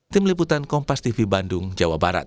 tim liputan kompas tv bandung jawa barat